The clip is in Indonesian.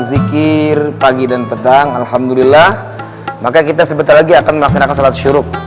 zikir pagi dan petang alhamdulillah maka kita sebentar lagi akan melaksanakan sholat syuruk